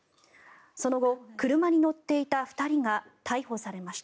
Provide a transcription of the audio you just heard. その後、車に乗っていた２人が逮捕されました。